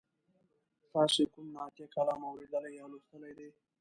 تاسې کوم نعتیه کلام اوریدلی یا لوستلی دی؟